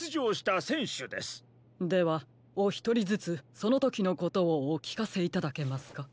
ではおひとりずつそのときのことをおきかせいただけますか？